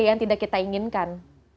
yang tidak kita inginkan